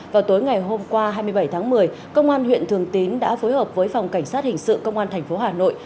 vào tối ngày hôm qua hai mươi bảy tháng một mươi công an huyện thường tín đã phối hợp với phòng cảnh sát hình sự công an tp hà nội